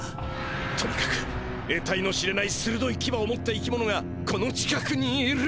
とにかくえたいの知れないするどいキバを持った生き物がこの近くにいる！